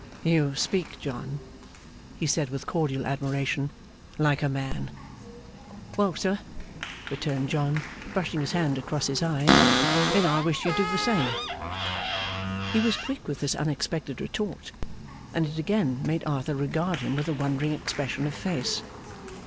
'You speak, John,' he said, with cordial admiration, 'like a Man.' 'Well, sir,' returned John, brushing his hand across his eyes, 'then I wish you'd do the same.' He was quick with this unexpected retort, and it again made Arthur regard him with a wondering expression of face.